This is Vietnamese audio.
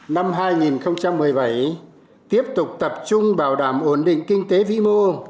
năm hai nghìn một mươi bảy tiếp tục tập trung bảo đảm ổn định kinh tế vĩ mô